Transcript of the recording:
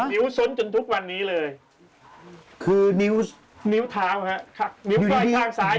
นิ้วส้นจนทุกวันนี้เลยคือนิ้วนิ้วท้าวครับนิ้วปล่อยข้างซ้าย